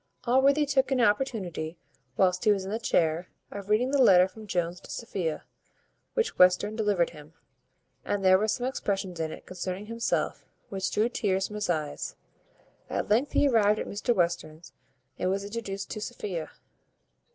Allworthy took an opportunity, whilst he was in the chair, of reading the letter from Jones to Sophia, which Western delivered him; and there were some expressions in it concerning himself which drew tears from his eyes. At length he arrived at Mr Western's, and was introduced to Sophia.